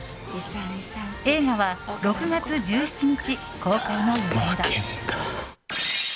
映画は６月１７日公開の予定だ。